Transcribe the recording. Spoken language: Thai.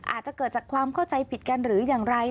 อาจจะเกิดจากความเข้าใจผิดกันหรืออย่างไร